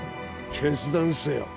決断せよ。